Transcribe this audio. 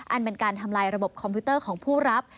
อันเป็นการทำลายระบบคอมพิวเตอร์ของผู้รับ